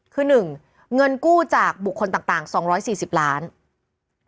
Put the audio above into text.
คือ๑เงินกู้จากบุคคลต่าง๒๔๐ล้านบาท